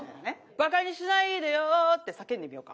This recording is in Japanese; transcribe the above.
「馬鹿にしないでよ」って叫んでみようか。